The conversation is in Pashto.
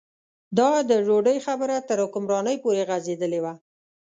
دا د ډوډۍ خبره تر حکمرانۍ پورې غځېدلې وه.